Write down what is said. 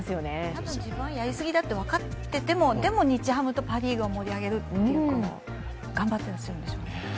たぶん自分はやり過ぎだと分かっていても、日ハムとパ・リーグを盛り上げるという、頑張っていらっしゃるんでしょうね。